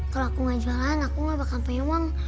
kalau aku gak jalan aku gak bakal punya uang